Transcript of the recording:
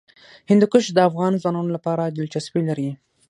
هندوکش د افغان ځوانانو لپاره دلچسپي لري.